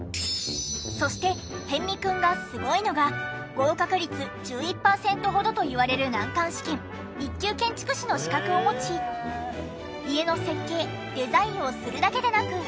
そして逸見くんがすごいのが合格率１１パーセントほどといわれる難関試験一級建築士の資格を持ち家の設計・デザインをするだけでなく。